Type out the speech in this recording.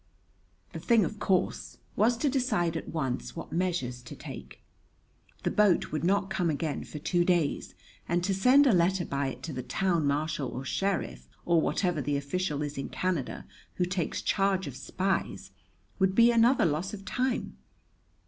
The thing, of course, was to decide at once what measures to take. The boat would not come again for two days, and to send a letter by it to the town marshal or sheriff, or whatever the official is in Canada who takes charge of spies, would be another loss of time.